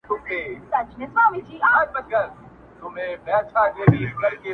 تر قیامته خو دي نه شم غولولای٫